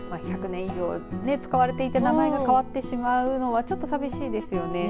１００年以上使われていた名前が変わってしまうのはちょっと寂しいですよね。